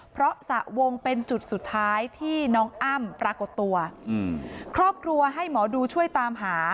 เพราะสระวงเป็นจุดสุดท้ายที่น้องอ้ำปรากฏตัวอืมครอบครัวให้หมอดูช่วยตามหา